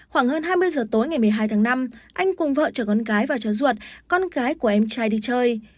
khoảng hơn hai mươi giờ tối ngày một mươi hai tháng năm anh cùng vợ chở con gái và cháu ruột con gái của em trai đi chơi